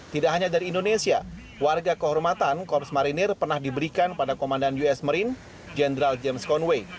tidak hanya dari indonesia warga kehormatan korps marinir pernah diberikan pada komandan us marine general james conway